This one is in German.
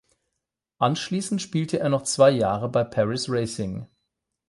Anschließend spielte er noch zwei Jahre bei Paris Racing.